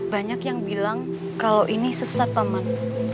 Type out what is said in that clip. banyak yang bilang kalau ini sesat paman